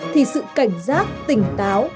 thì sự cảnh giác tỉnh táo